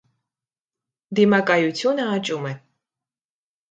Դիմակայությունը աճում է։